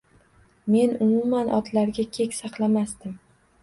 Men umuman otlarga kek saqlamasdim